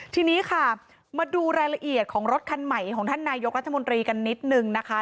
ทีนี้ค่ะมาดูรายละเอียดของรถคันใหม่ของท่านนายกรัฐมนตรีกันนิดนึงนะคะ